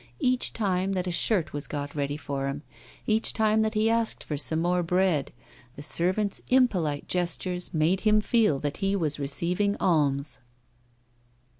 Each time that a shirt was got ready for him, each time that he asked for some more bread, the servants' impolite gestures made him feel that he was receiving alms.